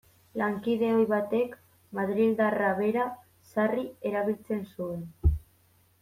Lankide ohi batek, madrildarra bera, sarri erabiltzen zuen.